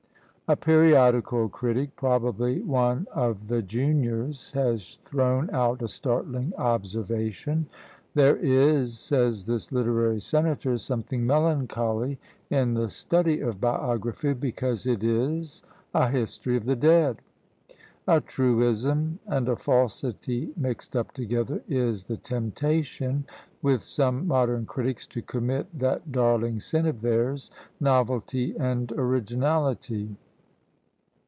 A periodical critic, probably one of the juniors, has thrown out a startling observation. "There is," says this literary senator, "something melancholy in the study of biography, because it is a history of the dead!" A truism and a falsity mixed up together is the temptation with some modern critics to commit that darling sin of theirs novelty and originality!